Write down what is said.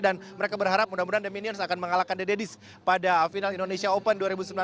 dan mereka berharap mudah mudahan the minions akan mengalahkan the daddies pada final indonesia open dua ribu sembilan belas